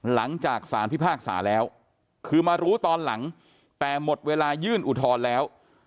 หลังจากสารพิพากษาแล้วคือมารู้ตอนหลังแต่หมดเวลายื่นอุทธรณ์แล้ว